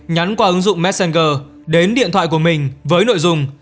nhắn qua ứng dụng messenger đến điện thoại của mình với nội dung